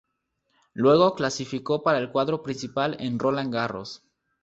Luego clasificó para el cuadro principal en Roland Garros.